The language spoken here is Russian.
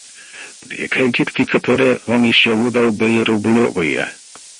Две кредитки, которые он еще выдал, были рублевые.